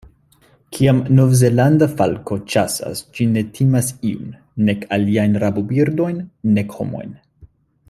Kiam Novzelanda falko ĉasas ĝi ne timas iun, nek aliajn rabobirdojn, nek homojn.